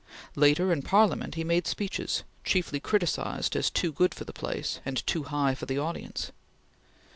Later, in Parliament he made speeches, chiefly criticised as too good for the place and too high for the audience.